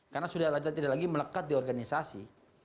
karena sudah tidak lagi melekat di organisasi